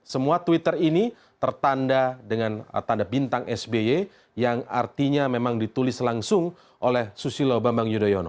semua twitter ini tertanda dengan tanda bintang sby yang artinya memang ditulis langsung oleh susilo bambang yudhoyono